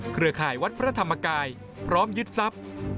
เครือข่ายวัดพระธรรมกายพร้อมยึดทรัพย์